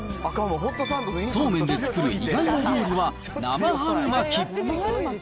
そうめんで作る意外な料理は生春巻き。